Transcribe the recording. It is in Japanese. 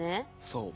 そう。